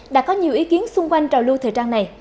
đã có nhiều ý kiến xung quanh trào lưu thời trang này